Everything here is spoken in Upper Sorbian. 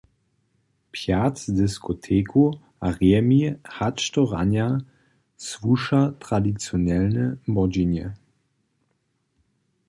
Pjatk z diskoteku a rejemi hač do ranja słuša tradicionelnje młodźinje.